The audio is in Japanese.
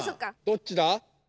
どっちだ？